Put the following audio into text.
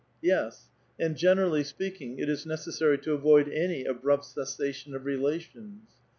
Yes ; and generally speaking, it is necessary to avoid an}' abrupt cessation of relations.